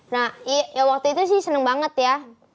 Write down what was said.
nah ya waktu itu sih seneng banget ya